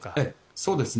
そうですね。